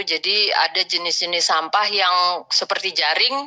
jadi ada jenis jenis sampah yang seperti jaring